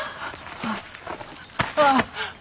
ああ。